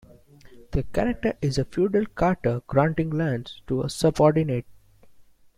The charter is a feudal charter granting lands to a subordinate.